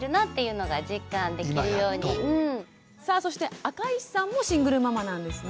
そして赤石さんもシングルママなんですね。